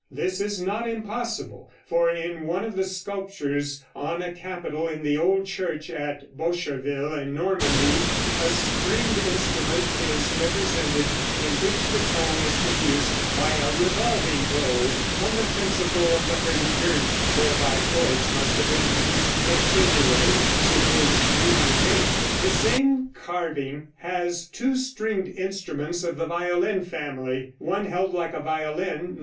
This is not impossible, for in one of the sculptures on a capital in the old church at Boscherville in Normandy a stringed instrument is represented in which the tone is produced by a revolving bow, on the principle of the hurdy gurdy, whereby chords must have been produced continually. (See p. 208.) The same carving has two stringed instruments of the violin family, one held like a violin (No.